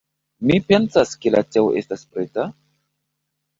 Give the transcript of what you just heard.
Mi pensas, ke la teo estas preta?